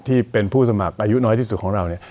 ที่เป็นผู้สมัครอายุน้อยที่สุดของเราเนี่ย